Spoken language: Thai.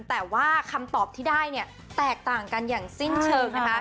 แต่ว่าคำตอบที่ได้แตกต่างกันอย่างสิ้นเชิง